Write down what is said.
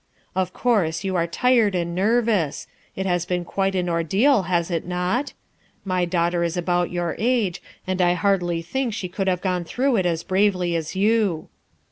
Of course, you are tired and nervous. It has been quite an ordeal, has it not ? My daughter is about your age, and I hardly think she could have gone through it as bravely as you."